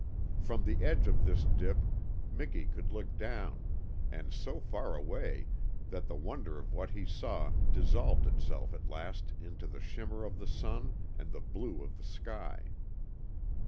From the edge of this dip Miki could look down and so far away that the wonder of what he saw dissolved itself at last into the shimmer of the sun and the blue of the sky.